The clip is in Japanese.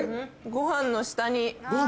ご飯の下？